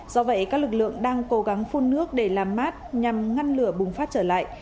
do vậy các lực lượng đang cố gắng phun nước để làm mát nhằm ngăn lửa bùng phát trở lại